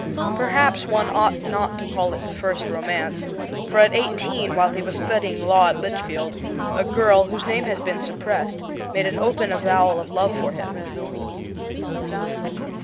Perhaps one ought not to call it the first romance, for at eighteen, while he was studying law at Litchfield, a girl, whose name has been suppressed, made an open avowal of love for him.